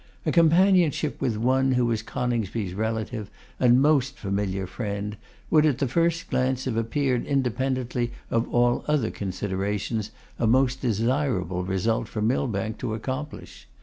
A companionship with one who was Coningsby's relative and most familiar friend, would at the first glance have appeared, independently of all other considerations, a most desirable result for Millbank to accomplish.